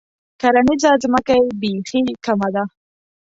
کرنیزه ځمکه یې بیخي کمه ده.